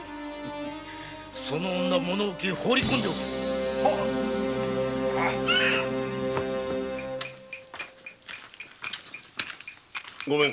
その女物置へほうりこんでおけごめん。